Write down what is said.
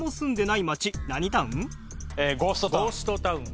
ゴーストタウン。